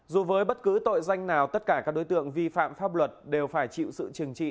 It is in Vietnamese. dù với bất cứ tội danh nào tất cả các đối tượng vi phạm pháp luật đều phải chịu sự trừng trị